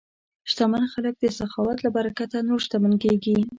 شتمن خلک د سخاوت له برکته نور شتمن کېږي.